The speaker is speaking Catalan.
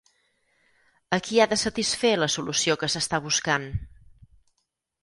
A qui ha de satisfer la solució que s'està buscant?